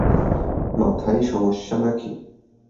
মাথায় সমস্যা নাকি?